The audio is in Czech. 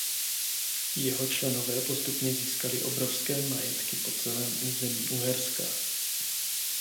Jeho členové postupně získali obrovské majetky po celém území Uherska.